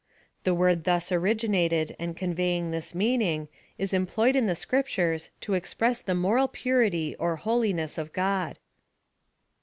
The word thus originated and con veying this meaning is employed in the Scriptures to express the moral purity or holiness of God.